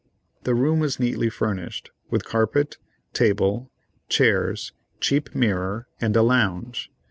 The room was neatly furnished with carpet, table, chairs, cheap mirror, and a lounge.